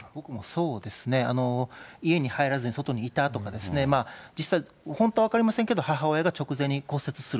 そうですね、家に入らずに外にいたとか、実際、本当分かりませんけど、母親が直前に骨折する、